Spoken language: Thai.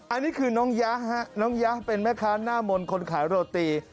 อันนี้คือน้องยะฮะน้องยะเป็นแม่ค้าหน้ามนต์คนขายโรตี